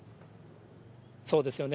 そうですよね。